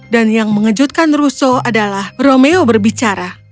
dan yang mengejutkan russo adalah romeo berbicara